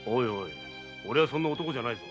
おれはそんな男じゃないぞ。